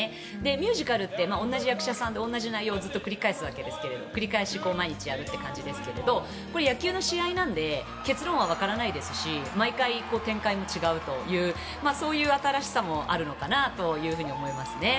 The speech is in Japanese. ミュージカルって同じ役者さんで同じ内容で繰り返すわけですが繰り返し毎日やるという感じですがこれ、野球の試合なので結論はわからないですし毎回展開も違うというそういう新しさもあるのかなと思いますね。